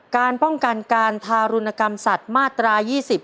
การป้องกันการทารุณกรรมสัตว์มาตรา๒๐